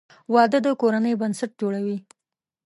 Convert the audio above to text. • واده د کورنۍ بنسټ جوړوي.